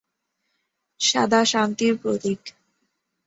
সাদা শান্তির প্রতীক।